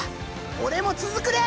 俺も続くで！